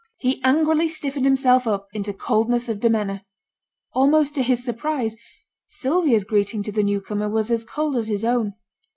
He angrily stiffened himself up into coldness of demeanour. Almost to his surprise, Sylvia's greeting to the new comer was as cold as his own.